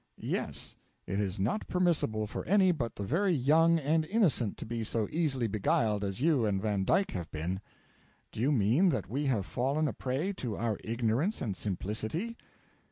'Yes. It is not permissible for any but the very young and innocent to be so easily beguiled as you and Van Dyke have been.' 'Do you mean that we have fallen a prey to our ignorance and simplicity?'